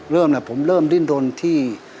เริ่มแล้วผมเริ่มดิ้นรนที่